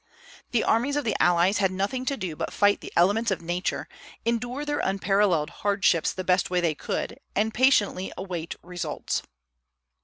The armies of the allies had nothing to do but fight the elements of Nature, endure their unparalleled hardships the best way they could, and patiently await results.